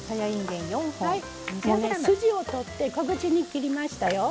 筋を取って小口に切りましたよ。